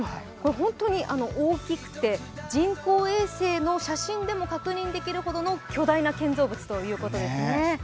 これ、本当に大きくて人工衛星の写真でも確認できるほどの巨大な建造物ということですね。